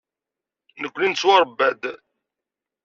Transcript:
Nekkni nettwaṛebba-d.